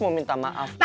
tapi terlambat giyo